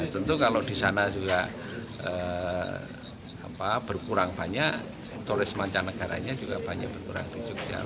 tentu kalau di sana juga berkurang banyak turis mancanegaranya juga banyak berkurang di yogyakarta